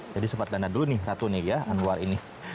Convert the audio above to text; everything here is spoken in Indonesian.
jadi sempat dandani dulu nih ratu nih ya anwar ini